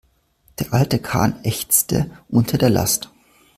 Der alte Kahn ächzte unter der Last.